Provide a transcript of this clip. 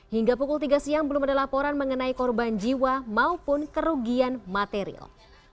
hingga pukul tiga siang belum ada laporan mengenai korban jiwa maupun kerugian material